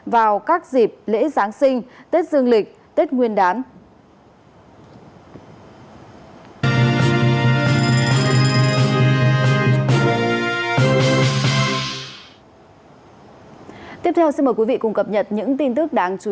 vào các dịp lễ giáng sinh tết dương lịch tết nguyên đán